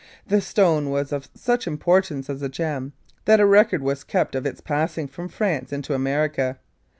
The stone was of such importance as a gem, that a record was kept of its passing from France into America.